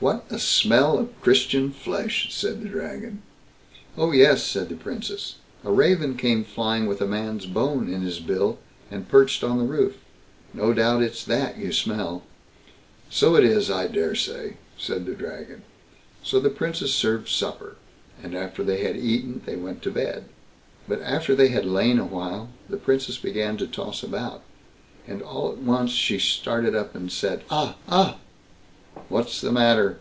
"What a smell of Christian flesh", said the Dragon. "Oh, yes", said the Princess, "a raven came flying with a man's bone in his bill, and perched on the roof. No doubt it's that you smell." "So it is, I daresay", said the Dragon. So the Princess served supper; and after they had eaten, they went to bed. But after they had lain a while, the Princess began to toss about, and all at once she started up and said: "Ah! ah!" "What's the matter?"